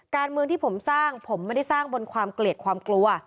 การเมืองที่ผมสร้างผมไม่ได้สร้างบนความเกลียดความกลัว